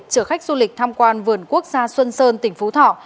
chở khách du lịch tham quan vườn quốc gia xuân sơn tỉnh phú thọ